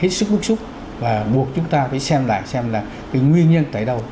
hết sức bức xúc và buộc chúng ta phải xem lại xem là cái nguyên nhân tại đâu